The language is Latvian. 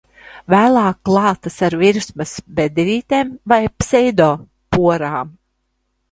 Vēlāk klātas ar virsmas bedrītēm vai pseidoporām.